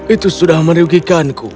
itu sudah merugikanku